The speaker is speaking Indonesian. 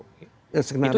skenario yang mana nih